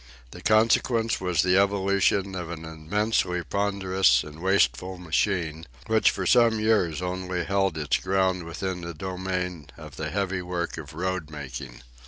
The consequence was the evolution of an immensely ponderous and wasteful machine, which for some years only held its ground within the domain of the heavy work of roadmaking.